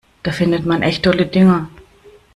Da findet man echt dolle Dinger.